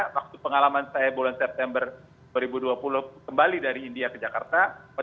waktu pengalaman saya bulan september dua ribu dua puluh kembali dari india ke jakarta